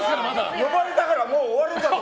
呼ばれたからもう終わるのかと。